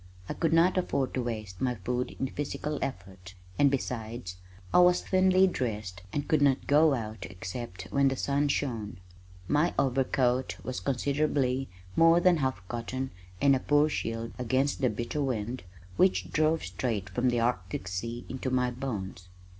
I could not afford to waste my food in physical effort, and besides I was thinly dressed and could not go out except when the sun shone. My overcoat was considerably more than half cotton and a poor shield against the bitter wind which drove straight from the arctic sea into my bones.